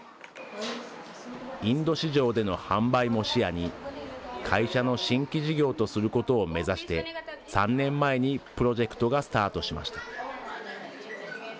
インド市場での販売も視野に、会社の新規事業とすることを目指して、３年前にプロジェクトがスタートしました。